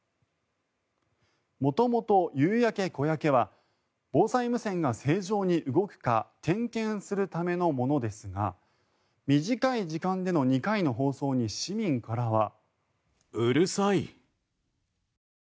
元々、「夕焼小焼」は防災無線が正常に動くか点検するためのものですが短い時間での２回の放送に市民からは。